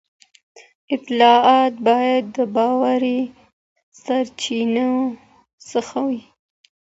اطلاعات باید د باوري سرچینو څخه وي.